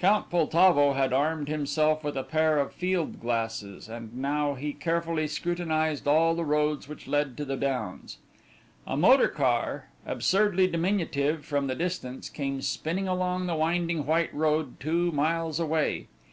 Count Poltavo had armed himself with a pair of field glasses, and now he carefully scrutinized all the roads which led to the downs. A motor car, absurdly diminutive from the distance, came spinning along the winding white road two miles away.